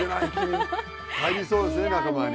入りそうですね仲間に。